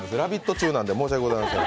中なんで申し訳ございません。